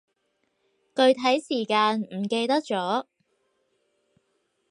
具體時間唔記得咗